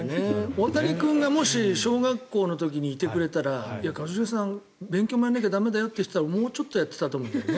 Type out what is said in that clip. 大谷君がもし小学校の時にいてくれたら一茂さん、勉強もやらなきゃ駄目だよって言ってくれたらもうちょっとやってたと思うんだよね。